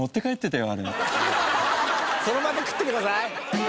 その場で食ってください。